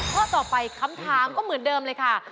ข้อต่อไปคำถามก็เหมือนเดิมเลยค่ะ